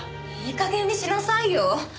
いい加減にしなさいよ。